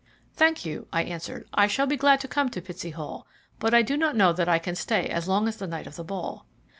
"Thank you," I answered. "I shall be glad to come to Pitsey Hall, but I do not know that I can stay as long as the night of the ball."